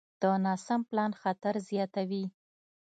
د ناسم پلان خطر زیاتوي.